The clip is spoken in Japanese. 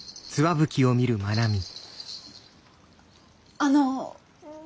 あの。